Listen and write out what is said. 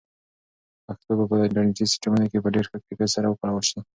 پښتو به په انټرنیټي سیسټمونو کې په ډېر ښه کیفیت سره وکارول شي.